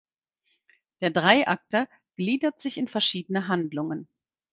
Der Dreiakter gliedert sich in verschiedene Handlungen.